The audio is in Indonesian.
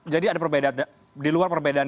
jadi ada perbedaan di luar perbedaan